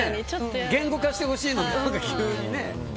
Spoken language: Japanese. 言語化してほしいのに、急に。